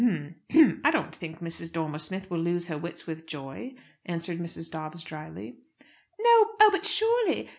"H'm! I don't think Mrs. Dormer Smith will lose her wits with joy," answered Mrs. Dobbs drily. "No? Oh, but surely